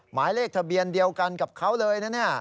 หมายเลขทะเบียนเดียวกันกับเขาเลยนะเนี่ย